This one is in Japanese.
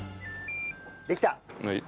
できた！